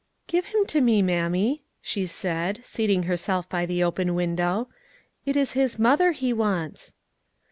"Give him to me, mammy," she said, seating herself by the open window; "it is his mother he wants."